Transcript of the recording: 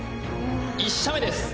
１射目です